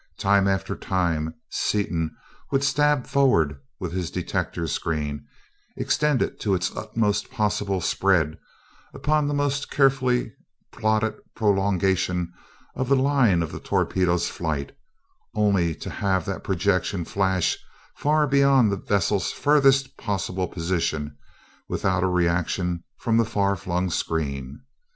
Time after time Seaton would stab forward with his detector screen extended to its utmost possible spread, upon the most carefully plotted prolongation of the line of the torpedo's flight, only to have the projection flash far beyond the vessel's furthest possible position without a reaction from the far flung screen.